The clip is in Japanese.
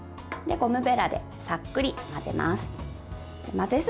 ゴムべらで、さっくり混ぜます。